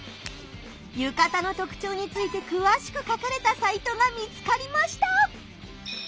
ゆかたの特徴についてくわしく書かれたサイトが見つかりました！